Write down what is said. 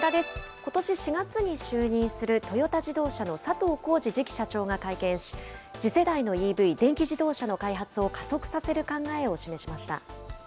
ことし４月に就任する、トヨタ自動車の佐藤恒治次期社長が会見し、次世代のＥＶ・電気自動車の開発を加速させる考えを示しました。